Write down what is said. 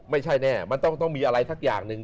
ไม่ใช่แน่มันต้องมีอะไรสักอย่างหนึ่ง